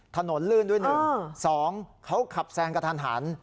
ถนนลื่นด้วยหนึ่งสองเขาขับแซงกระทัน